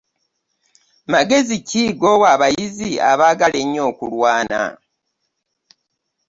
Magezi ki g'owa abayizi abaagala ennyo okulwana.